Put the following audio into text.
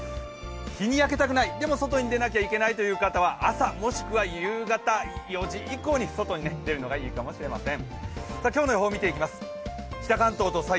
日に焼けたくない、でも外に出なきゃいけないという方は朝もしくは夕方４時以降に外に出るのがいいかもしれません。